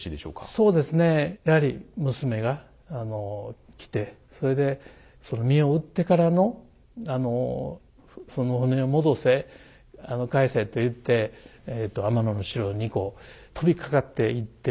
そうですねやはり娘が来てそれでその身を売ってからのその船を戻せ返せと言って天野四郎にこう飛びかかっていって。